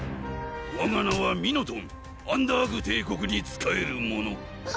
わが名はミノトンアンダーグ帝国に仕える者！